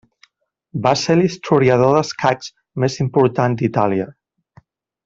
Va ser l'historiador d'escacs més important d'Itàlia.